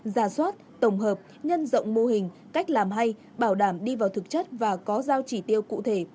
ra soát tổng hợp nhân rộng mô hình cách làm hay bảo đảm đi vào thực chất và có giao chỉ tiêu cụ thể